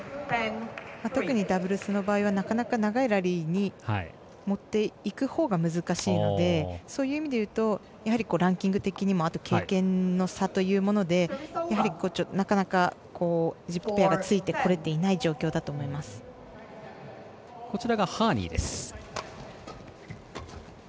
特にダブルスの場合はなかなか長いラリーに持っていくほうが難しいのでそういう意味で言うとランキング的にも経験の差というものでなかなか相手ペアがついてこれていない状況だと思います。